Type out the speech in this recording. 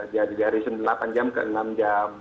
jadi dari delapan jam ke enam jam